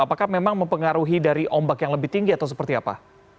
apakah memang mempengaruhi dari ombak yang lebih tinggi atau seperti apa